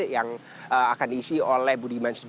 yang akan diisi oleh budiman